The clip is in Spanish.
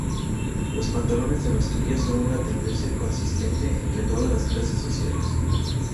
Los pantalones de mezclilla son una tendencia consistente entre todas las clases sociales.